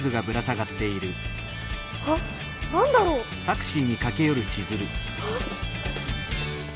あっ何だろう？あっ。